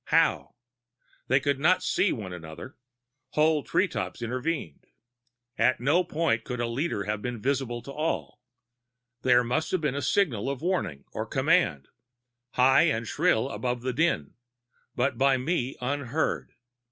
How? They could not all see one another whole treetops intervened. At no point could a leader have been visible to all. There must have been a signal of warning or command, high and shrill above the din, but by me unheard.